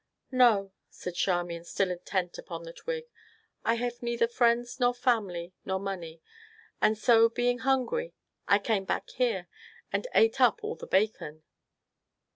"No," said Charmian, still intent upon the twig, "I have neither friends nor family nor money, and so being hungry I came back here, and ate up all the bacon."